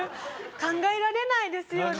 考えられないですよね。